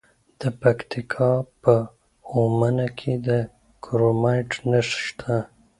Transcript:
د پکتیکا په اومنه کې د کرومایټ نښې شته.